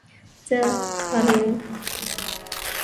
زه خر یم